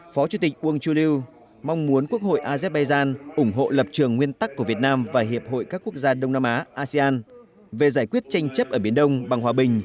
phó chủ tịch ung chuliu mong muốn quốc hội azerbaijan ủng hộ lập trường nguyên tắc của việt nam và hiệp hội các quốc gia đông nam á về giải quyết tranh chấp ở biển đông bằng hòa bình